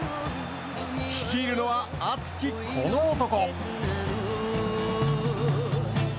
率いるのは、熱き、この男。